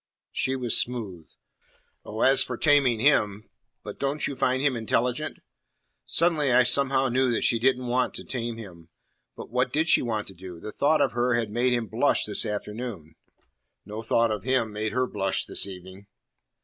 She was smooth. "Oh, as for taming him! But don't you find him intelligent?" Suddenly I somehow knew that she didn't want to tame him. But what did she want to do? The thought of her had made him blush this afternoon. No thought of him made her blush this evening.